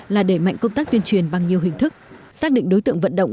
là đẩy mạnh công tác tuyên truyền bằng nhiều hình thức xác định đối tượng vận động